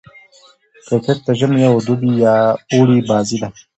کرکټ د ژمي او دوبي يا اوړي بازي ده.